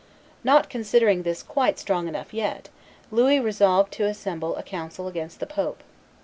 Not considering this quite strong enough yet, Louis resolved to assemble a council against the pope.